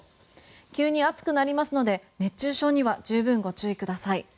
急に暑くなりますので熱中症には十分ご注意ください。